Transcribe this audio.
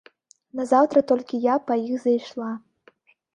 Назаўтра толькі я па іх зайшла.